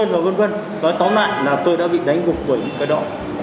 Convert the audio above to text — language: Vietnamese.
nói tóm lại là tôi đã bị đánh gục bởi một cơ độ